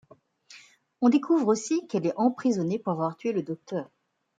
On découvre aussi qu'elle est emprisonnée pour avoir tué le Docteur.